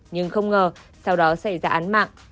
nhưng không ngờ sau đó xảy ra án mạng